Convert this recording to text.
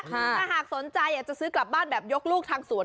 ถ้าหากสนใจอยากจะซื้อกลับบ้านแบบยกลูกทางสวน